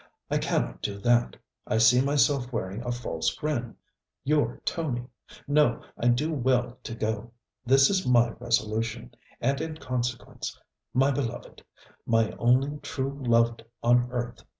I cannot do that. I see myself wearing a false grin your Tony! No, I do well to go. This is my resolution; and in consequence, my beloved! my only truly loved on earth!